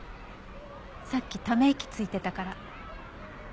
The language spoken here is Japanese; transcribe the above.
さっきため息ついてたから。